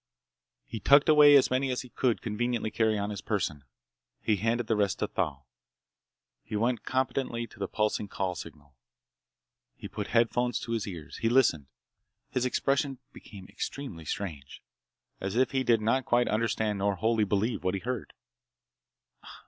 He tucked away as many as he could conveniently carry on his person. He handed the rest to Thal. He went competently to the pulsing call signal. He put headphones to his ears. He listened. His expression became extremely strange, as if he did not quite understand nor wholly believe what he heard.